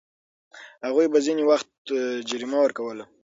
هغوی به ځینې وخت جریمه ورکوله.